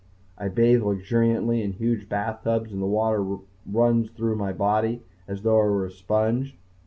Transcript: I bathe luxuriantly in huge bathtubs and the water runs through my body as though I were a sponge.